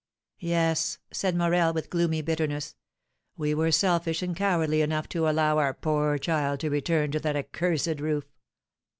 "Yes," said Morel, with gloomy bitterness, "we were selfish and cowardly enough to allow our poor child to return to that accursed roof.